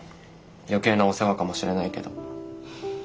余計なお世話かもしれないけど。